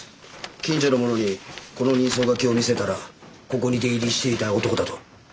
近所の者にこの人相書きを見せたらここに出入りしていた男だと。